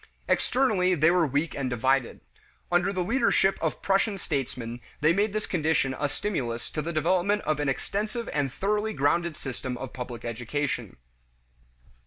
Externally they were weak and divided. Under the leadership of Prussian statesmen they made this condition a stimulus to the development of an extensive and thoroughly grounded system of public education.